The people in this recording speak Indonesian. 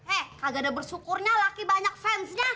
eh kagak ada bersyukurnya laki banyak fansnya